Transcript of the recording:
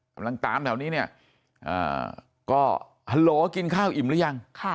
กำลังตามแถวนี้เนี่ยก็ฮัลโหลกินข้าวอิ่มหรือยัง